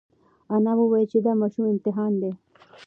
انا وویل چې دا ماشوم امتحان دی.